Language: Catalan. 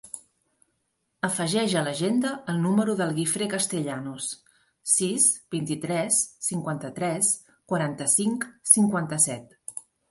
Afegeix a l'agenda el número del Guifré Castellanos: sis, vint-i-tres, cinquanta-tres, quaranta-cinc, cinquanta-set.